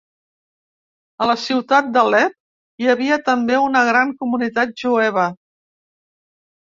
A la ciutat d'Alep hi havia també una gran comunitat jueva.